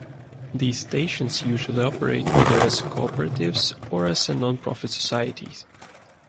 These stations usually operate either as Cooperatives or as a non-profit Societies.